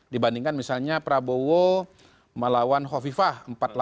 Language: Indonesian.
dibandingkan misalnya prabowo melawan hovifah empat puluh delapan tujuh belas